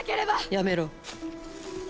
やめろ。